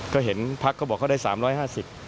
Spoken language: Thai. ก็เห็นพักเขาบอกเขาได้๓๕๐บาท